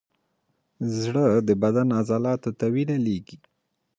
زړه د بدن عضلاتو ته وینه لیږي.